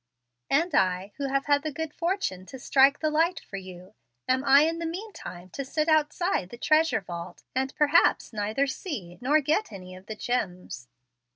"And I, who have had the good fortune to strike the light for you, am in the mean time to sit outside of the 'treasure vault,' and perhaps neither see nor get any of the 'gems.'